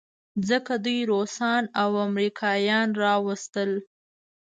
ځکه دوی روسان او امریکایان راوستل.